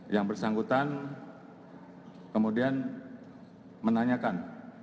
yang bersangkutan kemudian menanyakan